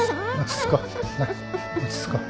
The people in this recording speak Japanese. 落ち着こう。